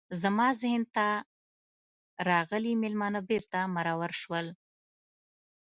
زما ذهن ته راغلي میلمانه بیرته مرور شول.